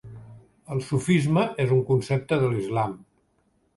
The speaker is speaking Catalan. El sufisme és un concepte de l'Islam.